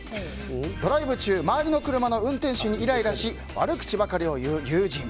ドライブ中、周りの車の運転手にイライラし悪口ばかりを言う友人。